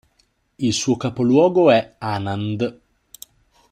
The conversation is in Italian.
Il suo capoluogo è Anand.